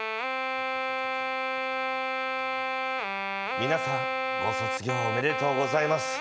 皆さん、ご卒業おめでとうございます。